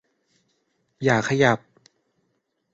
อย่าขยับ